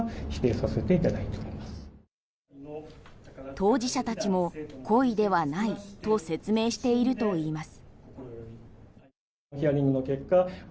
当事者たちも故意ではないと説明しているといいます。